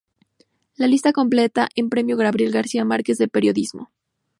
La lista completa en Premio Gabriel García Márquez de Periodismo.